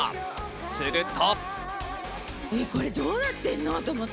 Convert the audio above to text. すると。